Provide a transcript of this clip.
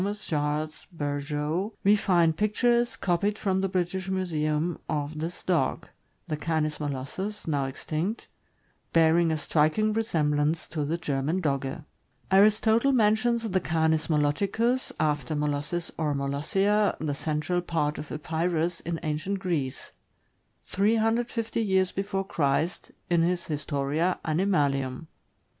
Charles Berjeau, we find pictures, copied from the British Museum, of this dog — the Canis molossus, now extinct — bearing a striking resemblance to the German Dogge. Aristotle mentions the Canis moloticus — after Molossis or Molossia, the central part of Epirus, in ancient Greece — 350 years B. C., in his "Historia Animalium."